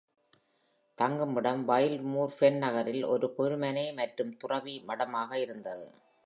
தங்குமிடம் Wildmoor Fen நகரில் ஒரு குருமனை மற்றும் துறவிமடமாக இருந்தது.